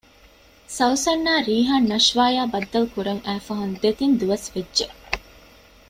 ސައުސަން އާ ރީހާން ނަޝްވާ އަށް ބައްދަލުކުރަން އައި ފަހުން ދެތިން ދުވަސް ވެއްޖެ